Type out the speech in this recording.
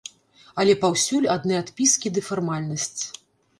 Але паўсюль адны адпіскі ды фармальнасць.